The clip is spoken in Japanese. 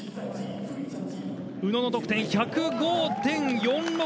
宇野の得点、１０５．４６。